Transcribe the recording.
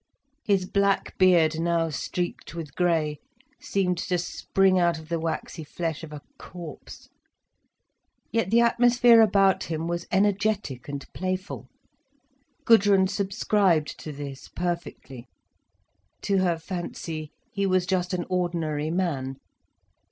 His black beard, now streaked with grey, seemed to spring out of the waxy flesh of a corpse. Yet the atmosphere about him was energetic and playful. Gudrun subscribed to this, perfectly. To her fancy, he was just an ordinary man.